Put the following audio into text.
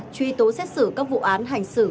truy tố xét xử các vụ án hành xử